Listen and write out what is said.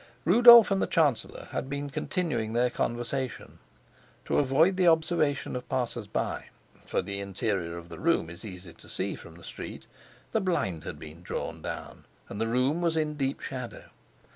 Rudolf and the chancellor had been continuing their conversation. To avoid the observations of passers by (for the interior of the room is easy to see from the street), the blind had been drawn down, and the room was in deep shadow.